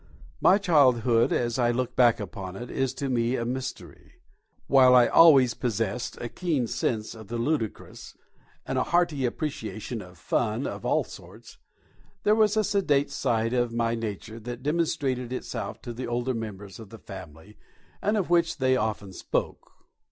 My childhood, as I look back upon it, is to me a mystery. While I always possessed a keen sense of the ludicrous, and a hearty appreciation of fun of all sorts, there was a sedate side of my nature that demonstrated itself to the older members of the family, and of which they often spoke.